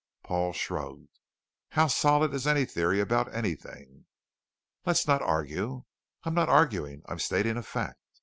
Paul shrugged. "How solid is any theory about anything?" "Let's not argue." "I am not arguing. I am stating a fact."